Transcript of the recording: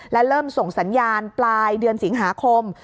และเริ่มส่งสัญญาณปลายเดือนสิงหาคม